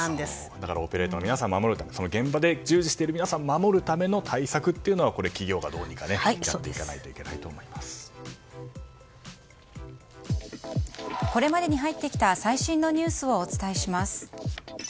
だからオペレーターの皆さんを守るため現場で従事している皆さんを守るための対策はこれ、企業がどうにかしていかないとこれまでに入ってきた最新のニュースをお伝えします。